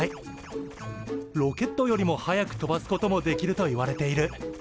ロケットよりも速く飛ばすこともできるといわれている。